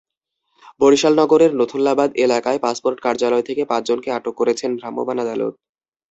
বরিশাল নগরের নথুল্লাবাদ এলাকায় পাসপোর্ট কার্যালয় থেকে পাঁচজনকে আটক করেছেন ভ্রাম্যমাণ আদালত।